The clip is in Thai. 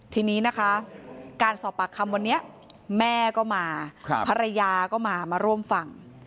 ทีนี้นะคะการสอบปากคำวันนี้แม่ก็มาภรรยาก็มามาร่วมฟัง